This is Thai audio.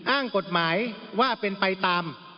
อ้างกฎหมายว่าเป็นไปตาม